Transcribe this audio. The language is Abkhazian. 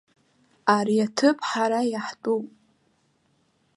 Ари аҭыԥ ҳара иаҳтәуп.